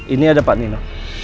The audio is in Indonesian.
ini ada pak nino